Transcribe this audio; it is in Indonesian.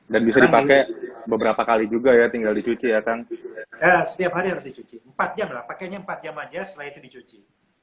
dan bisa dipakai beberapa kali juga ya tinggal dicuci ya kan setiap hari harus dicuci empat jam lah pakainya empat jam aja setelah itu dicuci